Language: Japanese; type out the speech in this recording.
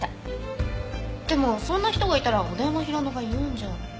でもそんな人がいたら小田山浩乃が言うんじゃ。